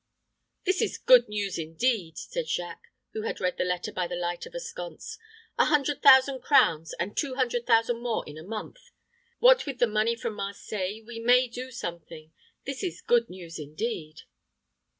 "This is good news, indeed," said Jacques, who had read the letter by the light of a sconce. "A hundred thousand crowns, and two hundred thousand more in a month! What with the money from Marseilles we may do something yet. This is good news indeed!"